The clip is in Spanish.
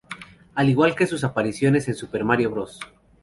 Al igual que sus apariciones en Super Mario Bros.